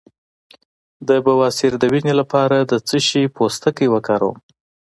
د بواسیر د وینې لپاره د څه شي پوستکی وکاروم؟